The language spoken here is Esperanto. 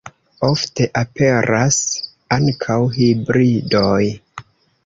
Ofte aperas ankaŭ hibridoj.